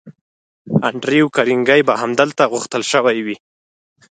انډریو کارنګي به هم هلته غوښتل شوی وي